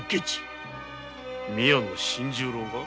宮野新十郎が？